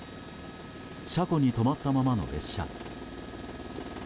車庫に止まったままの列車。